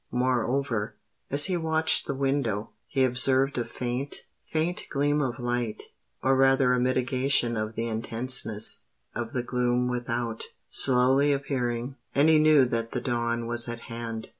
Moreover, as he watched the window, he observed a faint, faint gleam of light—or rather a mitigation of the intenseness of the gloom without—slowly appearing; and he knew that the dawn was at hand.